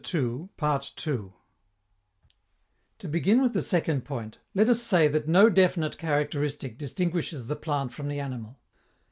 To begin with the second point, let us say that no definite characteristic distinguishes the plant from the animal.